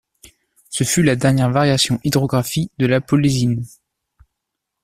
Ce fut la dernière variation hydrographie de la Polésine.